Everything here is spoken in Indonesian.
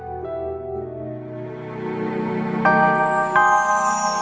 bayangkan saja tentang makanan